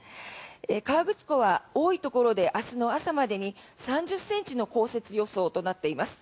河口湖は多いところで明日の朝までに３０ｃｍの降雪予想となっています。